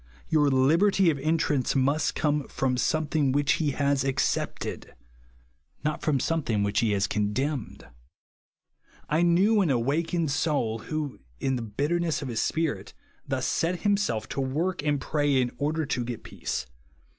Your liberty of entrance must come fro'in something which he has accepted ; not from something which he has condemned. I knew an awakened soul who, in the bitterness of his spirit, thus set himself to work and pray in order to get peace.